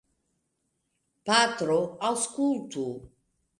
Patro, aŭskultu!